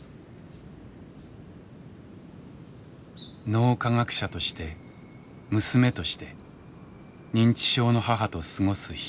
脳科学者として娘として認知症の母と過ごす日々。